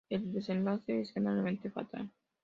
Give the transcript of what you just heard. El desenlace es generalmente fatal.